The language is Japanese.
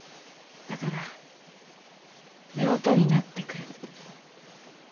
だから夫婦になってくれ」。